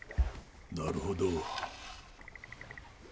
なるほど。